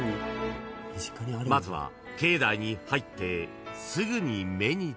［まずは境内に入ってすぐに目に付く］